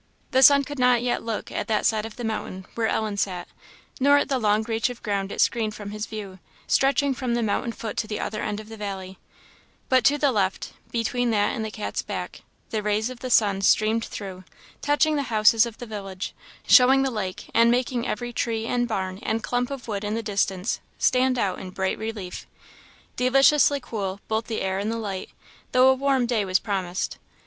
The sun could not yet look at that side of the mountain where Ellen sat, nor at the long reach of ground it screened from his view, stretching from the mountain foot to the other end of the valley; but to the left, between that and the Cat's Back, the rays of the sun streamed through, touching the houses of the village, showing the lake, and making every tree and barn and clump of wood in the distance stand out in bright relief. Deliciously cool, both the air and the light, though a warm day was promised.